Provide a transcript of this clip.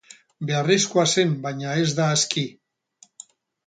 Beharrezkoa zen, baina ez da aski.